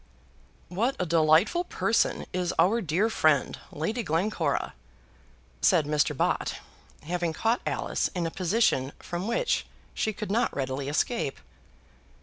"What a delightful person is our dear friend, Lady Glencora!" said Mr. Bott, having caught Alice in a position from which she could not readily escape.